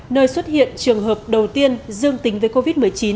nơi xuất hiện trường hợp đầu tiên dương tính với covid một mươi chín